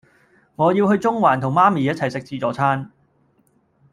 我要去中環同媽咪一齊食自助餐